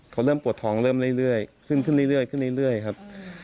เขาเริ่มปวดท้องเริ่มเรื่อยขึ้นเรื่อยขึ้นเรื่อยครับ